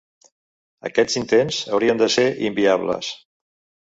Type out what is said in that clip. Aquests intents haurien de ser inviables.